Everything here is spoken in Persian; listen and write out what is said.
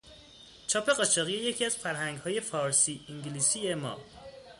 چاپ قاچاقی یکی از فرهنگهای فارسی - انگلیسی ما